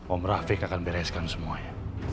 om rafiq akan bereskan semuanya